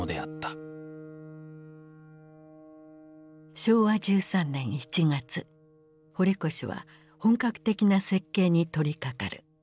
昭和１３年１月堀越は本格的な設計に取りかかる。